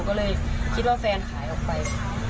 ก็เลยคิดว่าแฟนหายออกไป